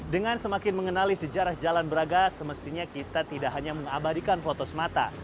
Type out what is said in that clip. dengan semakin mengenali sejarah jalan braga semestinya kita tidak hanya mengabadikan foto semata